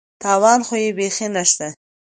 تاوان خو یې بېخي نشته.